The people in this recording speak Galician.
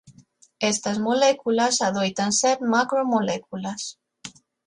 Estas moléculas adoitan ser macromoléculas.